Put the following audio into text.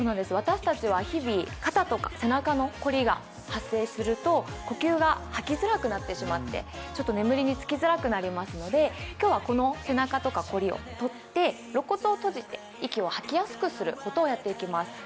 私たちは日々、肩とか背中の凝りが発生すると呼吸が吐きづらくなってしまって、眠りにつきづらくなってしまいますので、今日はこの背中とかコリをとって肋骨を閉じて息を吐きやすくすることをやっていきます。